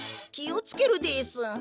きをつけるです。